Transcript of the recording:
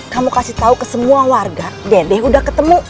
kamu kasih tau ke semua warga dede udah ketemu